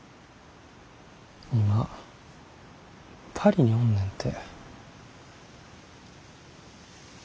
今パリにおんねんて。